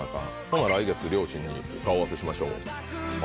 ほな来月両親に顔合わせしましょ。